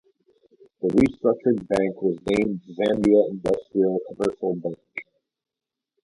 The restructured bank was named Zambia Industrial Commercial Bank.